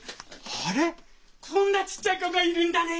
あれこんなちっちゃい子がいるんだね